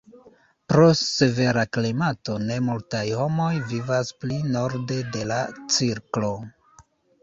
Pro severa klimato ne multaj homoj vivas pli norde de la cirklo.